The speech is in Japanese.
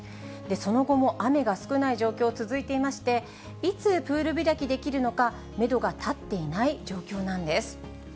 その後も雨が少ない状況、続いていまして、いつプール開きできるのか、メドが立っていない状況なんです。